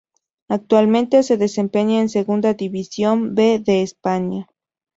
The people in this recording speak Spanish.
Actualmente se desempeña en Segunda División B de España.